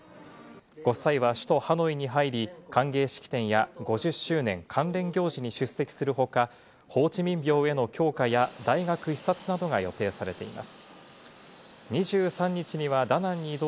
ご夫妻は首都ハノイに入り、歓迎式典や５０周年関連行事に出席する他、ホーチミン廟への供花や大学視察などが予定されています。